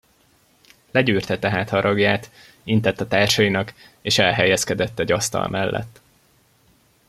Legyűrte tehát haragját, intett a társainak, és elhelyezkedett egy asztal mellett.